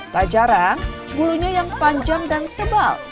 tak jarang bulunya yang panjang dan tebal